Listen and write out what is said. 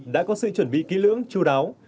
đã có sự chuẩn bị kỹ lưỡng chú đáo